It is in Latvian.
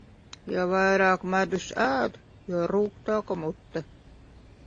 Jo vairāk medus ēd, jo rūgtāka mute.